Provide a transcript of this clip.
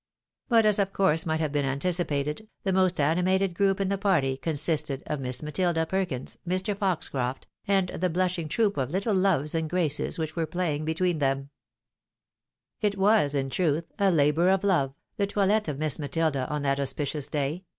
But, as of course might have been anticipated, the most animated group in the party consisted of Miss MatUda Perkins, Mr. Foxcroft, and the blushing troop of little loves and graces which were playing between them. 280 THE WIDOW MARRIED. It was, in t^th, a labour of love, the toilet of Miss Matilda, on that auspicious day